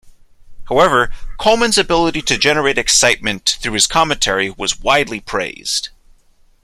However, Coleman's ability to generate excitement through his commentary was widely praised.